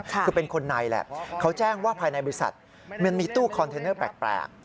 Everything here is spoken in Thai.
คือเป็นคนในแหละเขาแจ้งว่าภายในบริษัทมันมีตู้คอนเทนเนอร์แปลก